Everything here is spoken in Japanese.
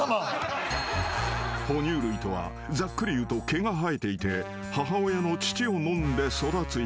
［哺乳類とはざっくり言うと毛が生えていて母親の乳を飲んで育つ生き物］